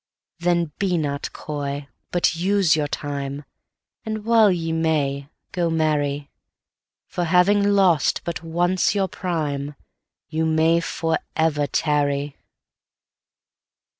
Then be not coy, but use your time, And while ye may, go marry: For having lost but once your prime, 15 You may for ever tarry.